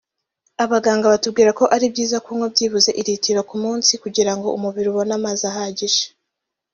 Abaganga batubwira ko ari byiza kunnywa byibuza litiro ku munsi kugirango umubiri ubone amazi ahagije